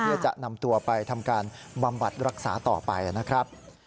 เพื่อจะนำตัวไปทำการบำบัดรักษาต่อไปนะครับ